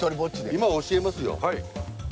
今教えますよ。